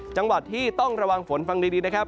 จังหวัดที่ต้องระวังฝนฟังดี